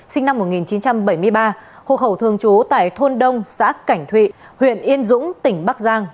sinh năm một nghìn chín trăm bảy mươi ba hộ khẩu thường trú tại thôn đông xã cảnh thụy huyện yên dũng tỉnh bắc giang